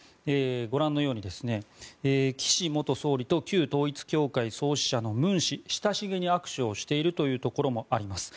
ご覧のように岸元総理と旧統一教会創始者のムン氏親しげに握手をしているというところもあります。